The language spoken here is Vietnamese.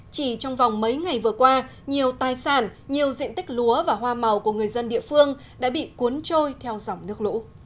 chỉ trong vòng mấy ngày vừa qua nhiều tài sản nhiều diện tích lúa và hoa màu của người dân địa phương đã bị cuốn trôi theo dòng nước lũ